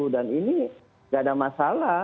dan ini gak ada masalah